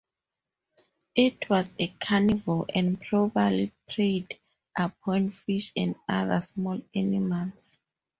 It was a carnivore and probably preyed upon fish and other small animals.